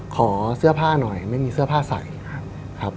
ขอเสื้อผ้าหน่อยไม่มีเสื้อผ้าใส่ครับ